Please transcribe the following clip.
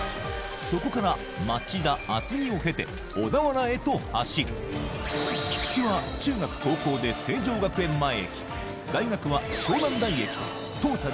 そこから町田厚木を経て小田原へと走る菊池は中学・高校で成城学園前駅大学は湘南台駅とトータル